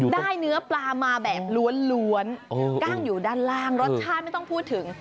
ได้เนื้อปลามาแบบล้วนกล้างอยู่ด้านล่างรสชาติไม่ต้องพูดถึง